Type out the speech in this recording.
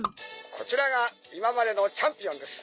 「こちらが今までのチャンピオンです」